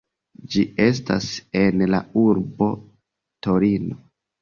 Ĝi estas en la urbo Torino.